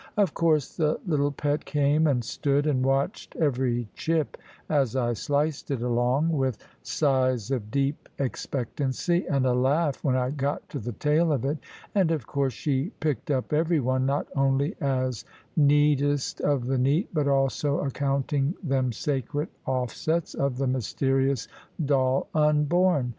Of course the little pet came, and stood, and watched every chip as I sliced it along, with sighs of deep expectancy, and a laugh when I got to the tail of it; and of course she picked up every one, not only as neatest of the neat, but also accounting them sacred offsets of the mysterious doll unborn.